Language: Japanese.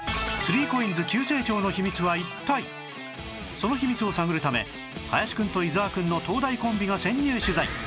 その秘密を探るため林くんと伊沢くんの東大コンビが潜入取材